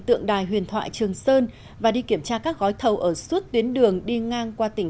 tượng đài huyền thoại trường sơn và đi kiểm tra các gói thầu ở suốt tuyến đường đi ngang qua tỉnh